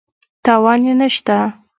تاوان یې نه شته.